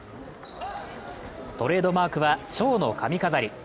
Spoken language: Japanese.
トレードマークはちょうの髪飾り。